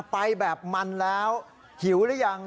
ไปแบบมันแล้วหิวหรือยัง